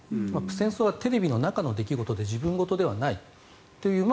戦争はテレビの中の出来事で自分事ではないと。